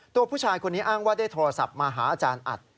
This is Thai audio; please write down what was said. ตัวผู้ชายคนนี้อ้างว่าได้โทรศัพท์มาหาอาจารย์อัด